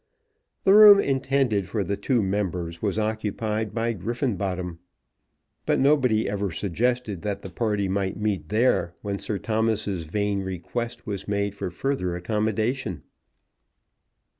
The room intended for the two members was occupied by Griffenbottom; but nobody ever suggested that the party might meet there when Sir Thomas's vain request was made for further accommodation.